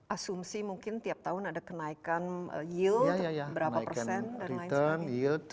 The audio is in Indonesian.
asumsi mungkin tiap tahun ada kenaikan yield